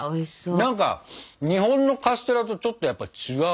何か日本のカステラとちょっとやっぱ違う。